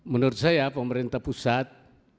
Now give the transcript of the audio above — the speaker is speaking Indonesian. menurut saya pemerintah pusat